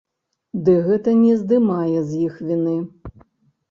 Ды гэта не здымае з іх віны.